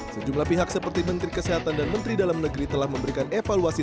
sejumlah pihak seperti menteri kesehatan dan menteri dalam negeri telah memberikan evaluasi